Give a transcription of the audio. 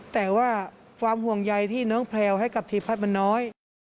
แต่ว่าความห่วงใยที่น้องแพลวให้กับทีพัฒน์มันน้อย